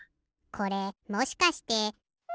これもしかして。